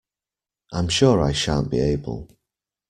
I’m sure I shan’t be able!